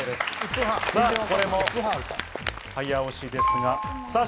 これも早押しですが。